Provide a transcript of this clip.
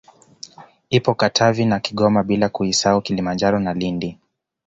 Ipo Katavi na Kigoma bila kuisahau Kilimanjaro na Lindi